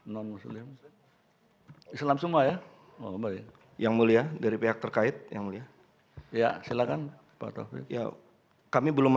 non muslim islam semua ya yang mulia dari pihak terkait yang mulia ya silakan pak taufik ya kami belum